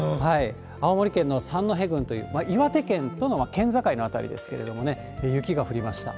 青森県の三戸郡という、岩手県との県境の辺りですけれどもね、雪が降りました。